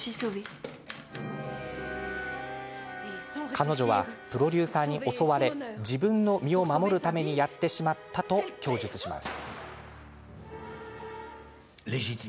彼女は、プロデューサーに襲われ自分の身を守るためにやってしまったと供述します。